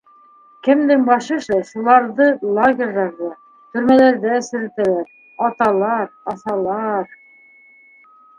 Кемдең башы эшләй - шуларҙы лагерҙарҙа, төрмәләрҙә серетәләр, аталар, аҫалар...